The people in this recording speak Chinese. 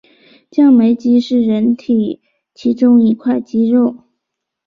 降眉肌是人体其中一块肌肉。